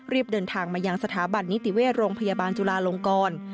เดินทางมายังสถาบันนิติเวชโรงพยาบาลจุลาลงกร